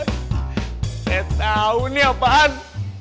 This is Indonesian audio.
saya tau ini apaan